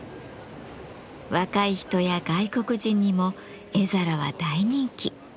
若い人や外国人にも絵皿は大人気。